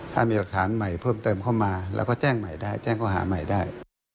ถ้ามีหลักฐานใหม่เพิ่มเติมเข้ามาเราก็แจ้งใหม่ได้แจ้งข้อหาใหม่ได้